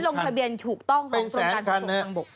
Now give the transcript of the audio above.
ที่โรงทะเบียนถูกต้องของกรุงการทศพทางบุก